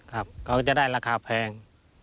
ครับก็จะได้ราคาแพง